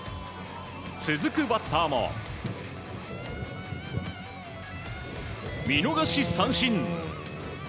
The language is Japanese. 続くバッターも、見逃し三振。